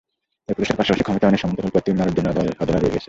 তাই পুরুষের পাশাপাশি ক্ষমতায়নের সমান্তরাল পথটিও নারীর জন্য অধরা রয়ে গেছে।